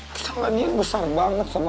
kesalahan yan besar banget sama ma